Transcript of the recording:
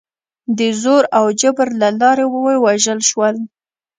د زور او جبر له لارې ووژل شول.